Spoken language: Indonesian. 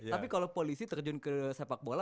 tapi kalau polisi terjun ke sepak bola